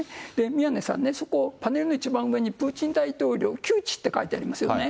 宮根さんね、そこ、パネルの一番上にプーチン大統領窮地って書いてありますよね。